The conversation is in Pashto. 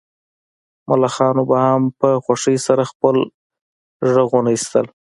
ملخانو به هم په خوښۍ سره خپل غږونه ایستل